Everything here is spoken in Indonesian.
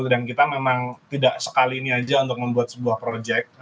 dan kita memang tidak sekali ini aja untuk membuat film